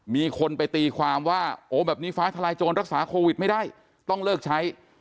มีคนไปตีความว่าโอ้แบบนี้ฟ้าทลายโจรรักษาโควิดไม่ได้ต้องเลิกใช้